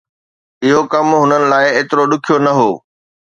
اهو ڪم هنن لاءِ ايترو ڏکيو نه هو.